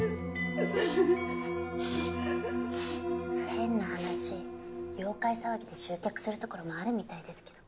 変な話妖怪騒ぎで集客する所もあるみたいですけど。